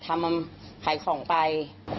เขาบอกป๊าน่ะว่าเป็นจังหรืออะไร